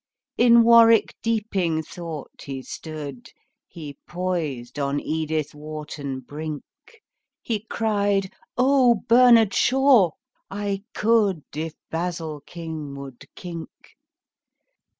In warwick deeping thought he stood He poised on edithwharton brink; He cried, "Ohbernardshaw! I could If basilking would kink."